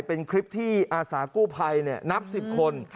เป็นคลิปที่อาสากู้ภัยนับ๑๐คน